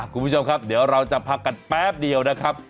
คุณผู้ชมครับเดี๋ยวเราจะพักกันแป๊บเดียวนะครับ